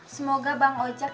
semoga bang ojak